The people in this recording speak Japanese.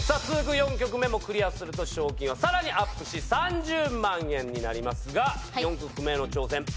４曲目もクリアすると賞金はさらにアップし３０万円になりますが４曲目の挑戦。